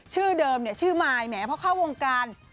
ชื่อเดิมเนี่ยชื่อมายแหมเพราะเข้าวงการ